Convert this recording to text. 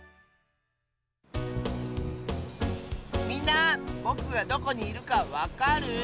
みんなぼくがどこにいるかわかる？